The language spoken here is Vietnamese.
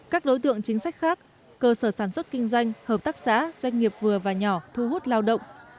các đối tượng chính sách khác cơ sở sản xuất kinh doanh hợp tác xã doanh nghiệp vừa và nhỏ thu hút lao động